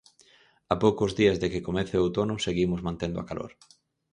A poucos días de que comece o outono, seguimos mantendo a calor.